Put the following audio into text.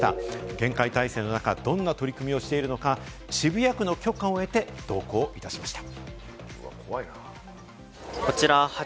厳戒態勢の中、どんな取り組みをしているのか、渋谷区の許可を得て同行いたしました。